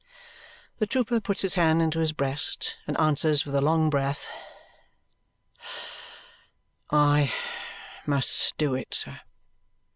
The trooper puts his hand into his breast and answers with a long breath, "I must do it, sir."